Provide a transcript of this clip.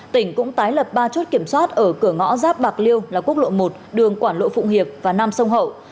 tỉnh cũng tái lập ba chốt kiểm soát ở cửa ngõ giáp bạc liêu là quốc lộ một đường quảng lộ phụng hiệp và nam sông hậu